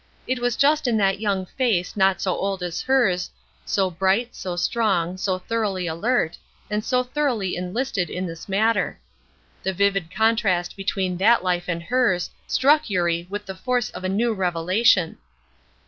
It was just in that young face not so old as hers, so bright, so strong, so thoroughly alert, and so thoroughly enlisted in this matter. The vivid contrast between that life and hers struck Eurie with the force of a new revelation.